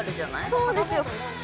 そうですよ。